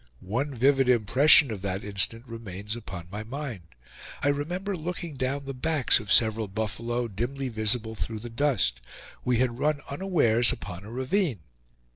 One vivid impression of that instant remains upon my mind. I remember looking down upon the backs of several buffalo dimly visible through the dust. We had run unawares upon a ravine.